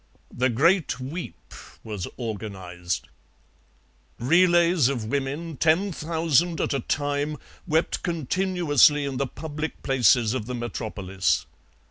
The Great Weep was organized. Relays of women, ten thousand at a time, wept continuously in the public places of the Metropolis.